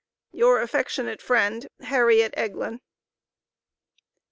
Your affectionate friend, HARRIET EGLIN.